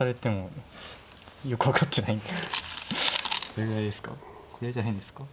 これぐらいですか。